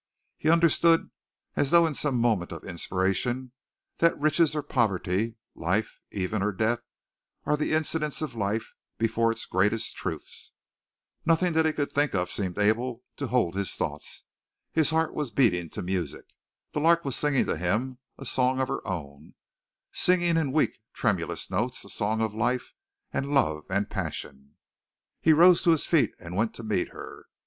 He understood, as though in some moment of inspiration, that riches or poverty, life, even, or death, are the incidents of life before its greatest truths. Nothing that he could think of seemed able to hold his thoughts. His heart was beating to music, the lark was singing to him a song of her own singing in weak, tremulous notes a song of life and love and passion! He rose to his feet and went to meet her.